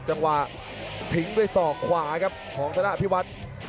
จังหวะถึงไปสอกขวาครับของฟันนั้นอภิวัตร